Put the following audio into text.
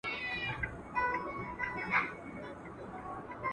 موږ کولای سو چي د کتاب په مرسته خپل ذهن روښانه او فعال وساتو `